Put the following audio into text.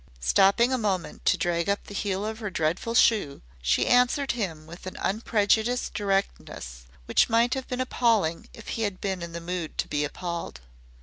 Stopping a moment to drag up the heel of her dreadful shoe, she answered him with an unprejudiced directness which might have been appalling if he had been in the mood to be appalled.